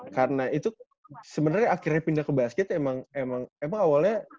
karena itu sebenarnya akhirnya pindah ke basket emang awalnya